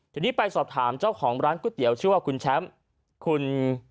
ทีนี้ไปสอบถามเจ้าของร้านก๋วยเตี๋ยวชื่อว่าคุณแชมป์คุณ